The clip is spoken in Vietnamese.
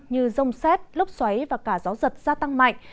như rông xét lốc xoáy và cả gió giật gia tăng mạnh